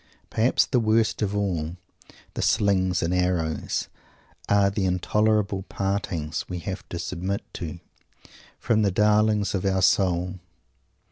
Perhaps the worst of all "the slings and arrows" are the intolerable partings we have to submit to, from the darlings of our soul.